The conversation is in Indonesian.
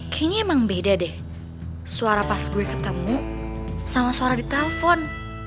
kayaknya emang beda deh suara pas gue ketemu sama suara di telpon